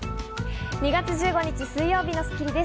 ２月１５日、水曜日の『スッキリ』です。